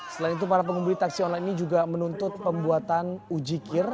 selain itu para pengemudi taksi online ini juga menuntut pembuatan ujikir